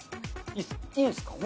いいいいんですか？